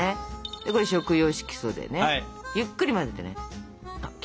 食用色素でねゆっくり混ぜてね。